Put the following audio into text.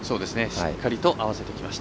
しっかりと合わせてきました。